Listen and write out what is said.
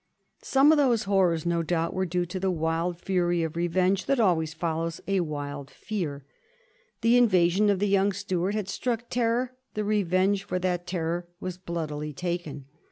Some of those horrors no doubt were due to the wild fury of revenge that always follows a wild fear. The invasion of the young Stuart had struck terror; the revenge for that terror was bloodily taken.